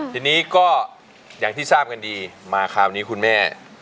ทีนี้ก็อย่างที่ทราบกันดีมาคราวนี้คุณแม่